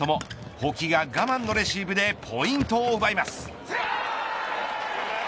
保木が我慢のレシーブでポイントを奪います。